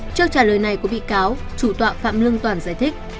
trước trả lời này của bị cáo chủ tọa phạm lương toàn giải thích